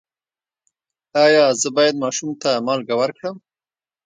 ایا زه باید ماشوم ته مالګه ورکړم؟